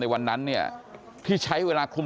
วันนั้นเนี่ยที่ใช้เวลาคลุม